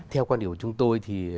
theo quan điểm của chúng tôi thì